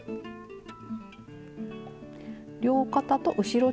両肩と後ろ